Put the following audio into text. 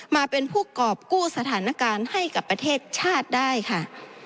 มาเป็นผู้กรอบกู้สถานการณ์ให้กับประเทศชาติได้ค่ะ